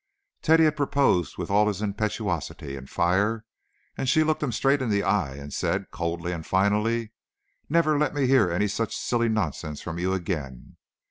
Teddy had proposed with all his impetuosity and fire, and she looked him straight in the eyes, and said, coldly and finally: "Never let me hear any such silly nonsense from you again."